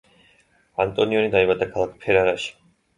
ანტონიონი დაიბადა ქალაქ ფერარაში.